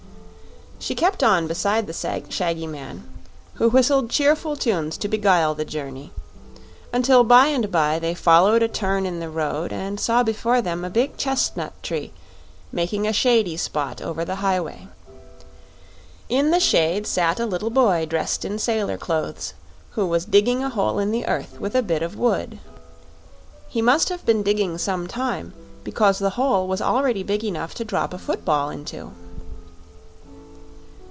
She kept on beside the shaggy man, who whistled cheerful tunes to beguile the journey, until by and by they followed a turn in the road and saw before them a big chestnut tree making a shady spot over the highway. In the shade sat a little boy dressed in sailor clothes, who was digging a hole in the earth with a bit of wood. He must have been digging some time, because the hole was already big enough to drop a football into.